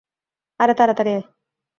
আরে তাড়াতাড়ি আয়!